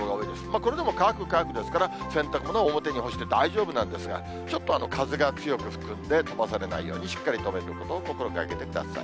これでも乾く、乾くですから、洗濯物を表に干して大丈夫なんですが、ちょっと風が強く吹くんで、飛ばされないようにしっかり留めることを心がけてください。